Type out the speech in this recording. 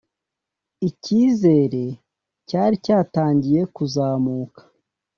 icyizere cyari cyatangiye kuzamuka